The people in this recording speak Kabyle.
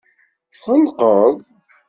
Tɣelqeḍ.